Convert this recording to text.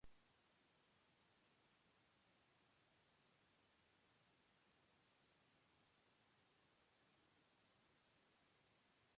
Kent guitars were played by musicians including David Bowie and Bob Dylan.